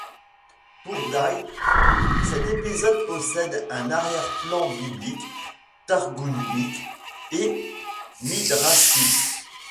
Pour Dye, cet épisode possède un arrière-plan biblique, targoumique et midrashique.